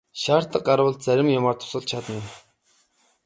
Шаардлага гарвал зарим юмаар тусалж чадна.